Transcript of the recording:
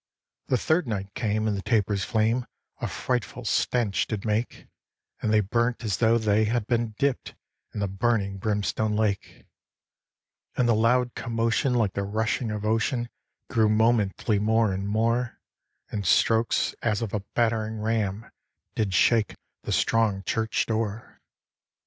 The third night came, and the tapers' flame A frightful stench did make; And they burnt as though they had been dipt In the burning brimstone lake. And the loud commotion, like the rushing of ocean, Grew momently more and more; And strokes as of a battering ram Did shake the strong church door.